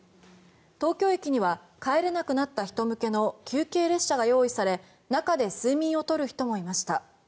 東京駅には帰れなくなった人向けの休憩列車が用意され中で睡眠を取る人もいました。